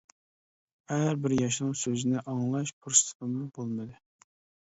ھەر بىر ياشنىڭ سۆزىنى ئاڭلاش پۇرسىتىممۇ بولمىدى.